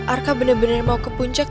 arka bener bener mau ke puncak